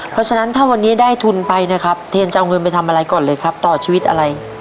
เพราะฉะนั้นถ้าวันนี้ได้ทุนไปนะครับเทนจะเอาเงินไปทำอะไรก่อนเลยครับต่อชีวิตอะไร